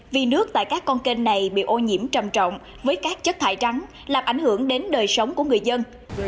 vì nước tại các con kênh này bị ô nhiễm trầm trọng với các chất thải rắn làm ảnh hưởng đến đời sống của người dân